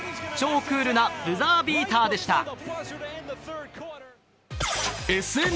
超クールなブザービーターでした。